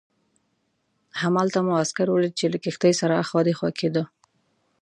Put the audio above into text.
همالته مو عسکر ولید چې له کښتۍ سره اخوا دیخوا کېده.